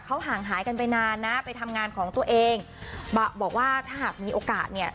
เขาห่างหายกันไปนานนะไปทำงานของตัวเองบอกว่าถ้าหากมีโอกาสเนี่ย